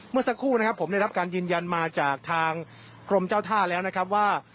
เมื่อสักครู่นะครับผมได้รับการยืนยันมาจากทางกรมเจ้าท่าแล้วนะครับว่า